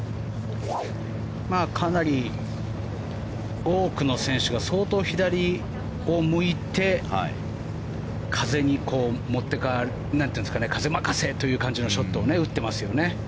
かなり多くの選手が相当、左を向いて風任せという感じのショットを打ってますよね。